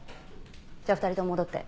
じゃあ２人とも戻って。